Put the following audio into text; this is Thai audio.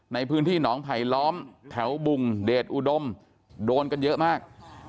ในพื้นที่หนองไผลล้อมแถวบุงเดชอุดมโดนกันเยอะมาก